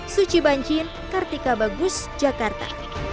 suci banjin kartika bagus jakarta